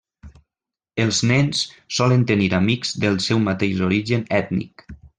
Els nens solen tenir amics del seu mateix origen ètnic.